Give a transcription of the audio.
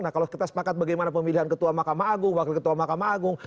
nah kalau kita sepakat bagaimana pemilihan ketua mahkamah agung wakil ketua mahkamah agung